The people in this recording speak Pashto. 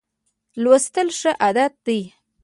لوستل ښه عادت دی.